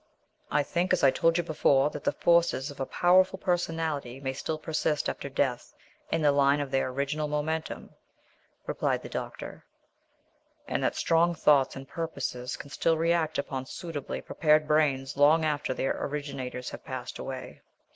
"I think, as I told you before, that the forces of a powerful personality may still persist after death in the line of their original momentum," replied the doctor; "and that strong thoughts and purposes can still react upon suitably prepared brains long after their originators have passed away.